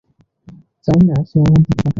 চাই না সে আমার দিকে তাকাক।